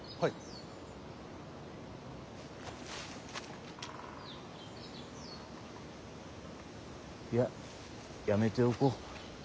いややめておこう。